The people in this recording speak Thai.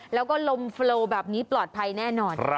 แล้วก็ลมโฟลแบบนี้ปลอดภัยแน่นอน